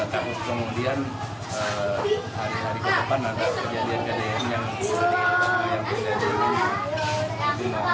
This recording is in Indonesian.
tapi kemudian hari hari ke depan akan kejadian kdn yang bisa diinginkan